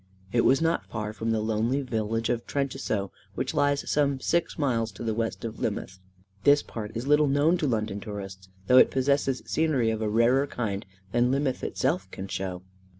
It was not far from the lonely village of Trentisoe, which lies some six miles to the west of Lynmouth. This part is little known to London tourists, though it possesses scenery of a rarer kind than Lynmouth itself can show.